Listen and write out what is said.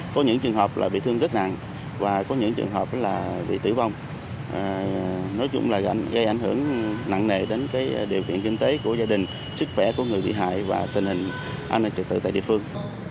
có những trường hợp là bị thương rất nặng và có những trường hợp bị tử vong nói chung là gây ảnh hưởng nặng nề đến điều kiện kinh tế của gia đình sức khỏe của người bị hại và tình hình an ninh trực tự tại địa phương